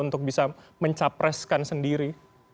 untuk bisa mencapreskan sendiri